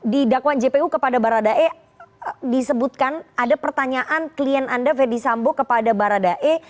di dakwaan jpu kepada baradae disebutkan ada pertanyaan klien anda fedy sambo kepada baradae